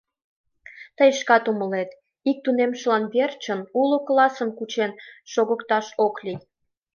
— Тый шкат умылет, ик тунемшылан верчын уло классым кучен шогыкташ ок лий